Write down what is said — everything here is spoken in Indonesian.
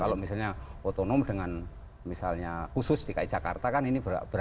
kalau misalnya otonom dengan misalnya khusus di kicakarta kan ini berada di mana